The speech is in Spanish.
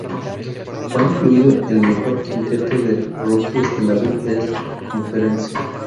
Fue incluido en el mejor quinteto de rookies de la Big East Conference.